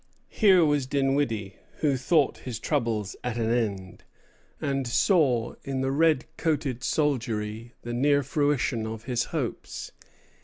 Here was Dinwiddie, who thought his troubles at an end, and saw in the red coated soldiery the near fruition of his hopes.